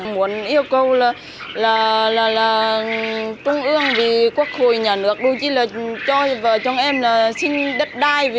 muốn yêu cầu là trung ương quốc hội nhà nước đôi chí là cho vợ chồng em sinh đất đai